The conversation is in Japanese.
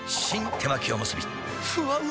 手巻おむすびふわうま